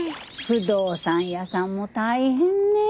不動産屋さんも大変ねえ。